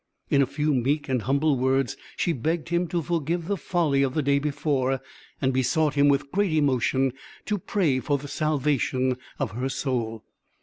In a few meek and humble words, she begged him to forgive the folly of the day before, and besought him, with great emotion, to pray for the salvation of her soul.